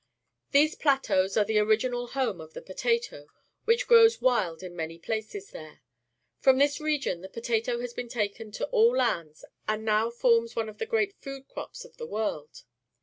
Th ese p lateaus a.re_the original home of the potato,, which grows wild in many places there. From this region the potato has been taken to all lands and now fomis one of the great food crops of the world.